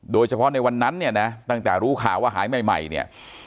ในวันนั้นเนี่ยนะตั้งแต่รู้ข่าวว่าหายใหม่เนี่ย